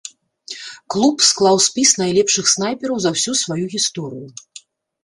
Клуб склаў спіс найлепшых снайпераў за ўсю сваю гісторыю.